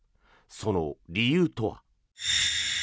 その理由とは。